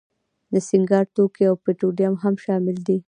د سینګار توکي او پټرولیم هم شامل دي.